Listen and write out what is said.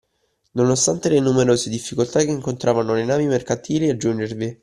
Nonostante le numerose difficoltà che incontravano le navi mercantili a giungervi.